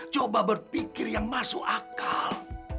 coba berpikir yang masuk akal